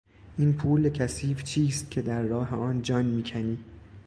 این پول کثیف چیست که در راه آن جان میکنی؟